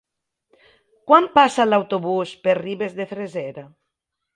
Quan passa l'autobús per Ribes de Freser?